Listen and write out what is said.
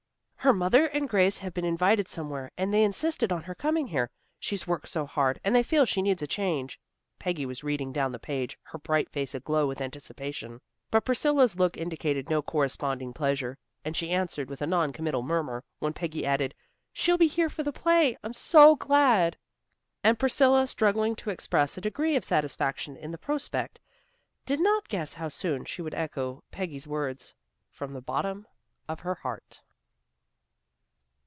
"Her mother and Grace have been invited somewhere, and they insisted on her coming here. She's worked so hard, and they feel she needs a change." Peggy was reading down the page, her bright face aglow with anticipation, but Priscilla's look indicated no corresponding pleasure, and she answered with a non committal murmur, when Peggy added, "She'll be here for the play. I'm so glad." And Priscilla struggling to express a degree of satisfaction in the prospect, did not guess how soon she would echo Peggy's words from the bottom of her heart.